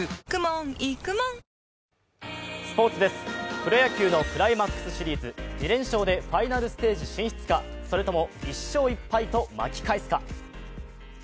プロ野球のクライマックスシリーズ、２連勝でファイナルステージ進出か、それとも１勝１敗と巻き返すか。